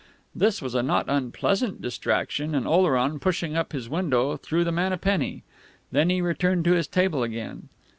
This was a not unpleasant distraction, and Oleron, pushing up his window, threw the man a penny. Then he returned to his table again....